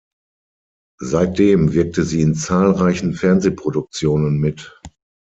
Seitdem wirkte sie in zahlreichen Fernsehproduktionen mit.